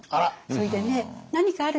それでね何かあるとね